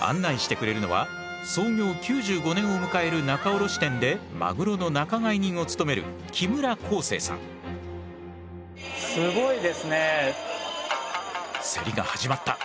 案内してくれるのは創業９５年を迎える仲卸店でマグロの仲買人を務める競りが始まった。